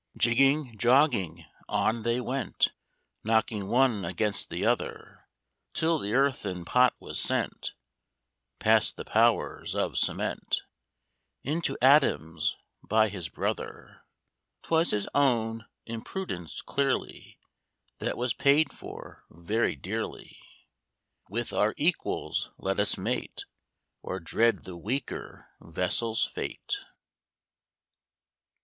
Jigging, jogging, on they went, Knocking one against the other; Till the Earthen Pot was sent (Past the powers of cement) Into atoms by his brother. 'Twas his own imprudence, clearly, That was paid for very dearly. With our equals let us mate, Or dread the weaker vessel's fate.